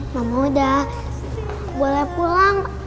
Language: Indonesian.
mama udah boleh pulang